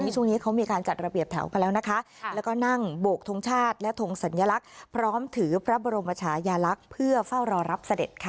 ที่จะหยุดในการกระทำแบบนี้นะครับ